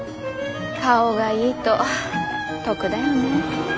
顔がいいと得だよね。